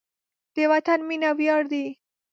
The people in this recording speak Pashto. د وطن مینه ویاړ دی.